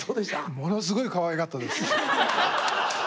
ものすごいかわいかったです。